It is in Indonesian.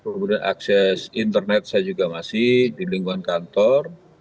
kemudian akses internet saya juga masih di lingkungan kantor